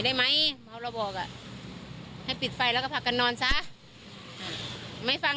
ได้ไหมเมาแล้วบอกอ่ะให้ปิดไฟแล้วก็ผักกันนอนซะไม่ฟัง